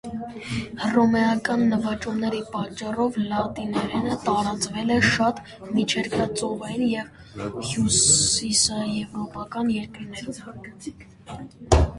Հռոմեական նվաճումների պատճառով լատիներենը տարածվել է շատ միջերկրածովյան և հյուսիսեվրոպական երկրներում։